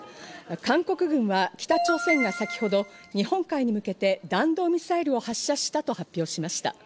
韓国軍は北朝鮮が先ほど日本海に向けて弾道ミサイルを発射したと発表しました。